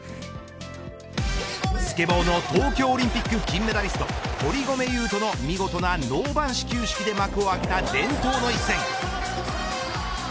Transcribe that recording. スケボーの東京オリンピック金メダリスト堀米雄斗の見事なノーバン始球式で幕を開けた伝統の一戦。